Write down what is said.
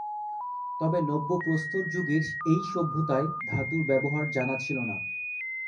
তবে নব্যপ্রস্তর যুগের এই সভ্যতায় ধাতুর ব্যবহার জানা ছিল না।